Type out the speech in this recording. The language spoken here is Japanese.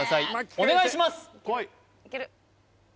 お願いします